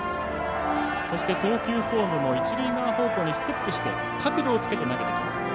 投球フォーム一塁側方向にステップして角度をつけて投げてきます。